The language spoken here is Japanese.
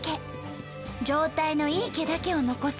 状態のいい毛だけを残す